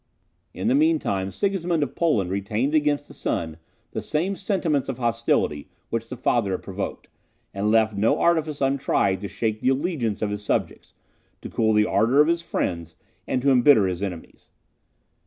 In the meantime, Sigismund of Poland retained against the son the same sentiments of hostility which the father had provoked, and left no artifice untried to shake the allegiance of his subjects, to cool the ardour of his friends, and to embitter his enemies.